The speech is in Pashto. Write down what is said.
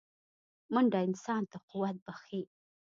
منډه انسان ته قوت بښي